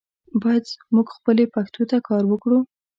باید مونږ خپلې پښتو ته کار وکړو.